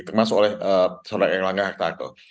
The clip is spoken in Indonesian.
termasuk oleh soedara erlangga haktarto